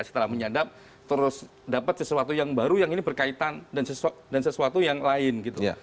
setelah menyadap terus dapat sesuatu yang baru yang ini berkaitan dan sesuatu yang lain gitu